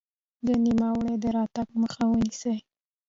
د نوموړي د راتګ مخه ونیسي.